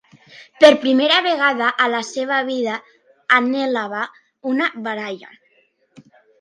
Per primera vegada a la seva vida, anhelava una baralla.